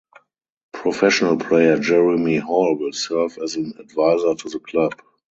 Professional player Jeremy Hall will serve as an advisor to the club.